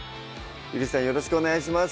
よろしくお願いします